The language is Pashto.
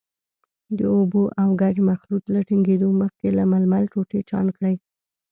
د اوبو او ګچ مخلوط له ټینګېدو مخکې له ململ ټوټې چاڼ کړئ.